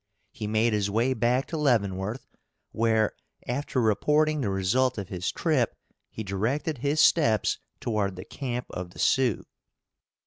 He made his way back to Leavenworth, where, after reporting the result of his trip, he directed his steps toward the camp of the Sioux.